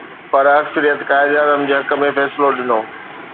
پر اڪثريت قائداعظم جي حق ۾ فيصلو ڏنو.